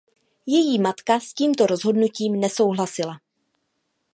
Její matka s tímto rozhodnutím nesouhlasila.